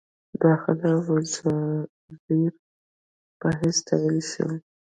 داخله وزیر په حیث تعین شول.